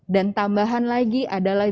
dan tambahan lagi adalah